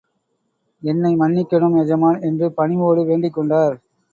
என்னை மன்னிக்கனும் எஜமான் என்று பணிவோடு வேண்டிக் கொண்டார்.